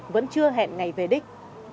vẫn chưa hẹn ngày về đích